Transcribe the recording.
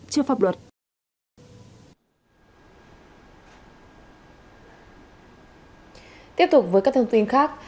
tiếp tục với các thông tin khác